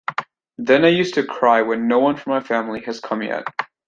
Then I used to cry when no one from my family has come yet.